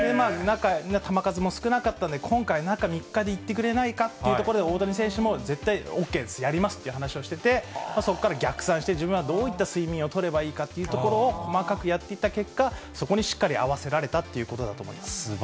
球数も少なかったので、今回、中３日でいってくれないかということで、大谷選手も絶対、ＯＫです、やりますって言って、話をしてて、そこから逆算して、自分はどういった睡眠をとればいいかというところを細かくやっていった結果、そこにしっかり合わせられたということだと思います。